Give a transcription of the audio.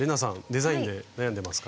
デザインで悩んでますか？